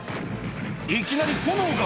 いきなり炎が！